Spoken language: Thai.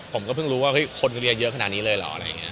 ผมก็พึ่งรู้ว่าคนเรียนเยอะขนาดนี้เลยหรอ